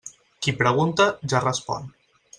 Qui pregunta, ja respon.